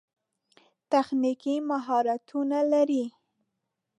تخنیکي مهارتونه لري.